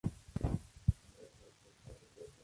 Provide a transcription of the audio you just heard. Son conocidos por su gran inteligencia.